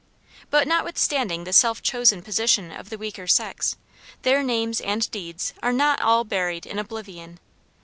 But notwithstanding the self chosen position of the weaker sex, their names and deeds are not all buried in oblivion.